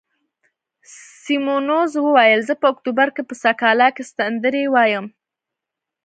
سیمونز وویل: زه په اکتوبر کې په سکالا کې سندرې وایم.